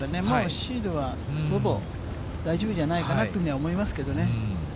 シードは、ほぼ大丈夫じゃないかなというふうには思いますけどね。